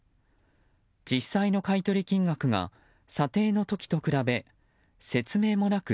実際の買い取り金額が査定の時と比べ説明もなく